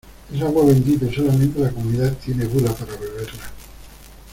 es agua bendita, y solamente la Comunidad tiene bula para beberla.